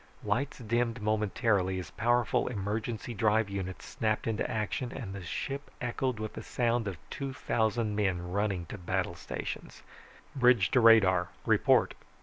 Lights dimmed momentarily as powerful emergency drive units snapped into action, and the ship echoed with the sound of two thousand men running to battle stations. "Bridge to radar! Report."